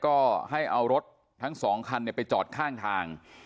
ก็ให้เอารถทั้งสองคันไปจอดข้างทาง